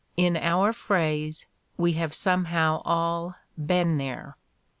In our phrase, we have somehow all 'been there.'